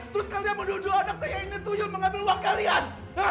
terus kalian menuduh anak saya ini tuyul mengambil uang kalian